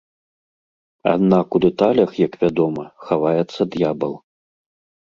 Аднак у дэталях, як вядома, хаваецца д'ябал.